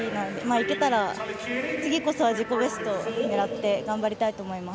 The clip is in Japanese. いけたら、次こそは自己ベスト狙って頑張りたいと思います。